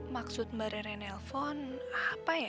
maksud mbak renenelpon apa ya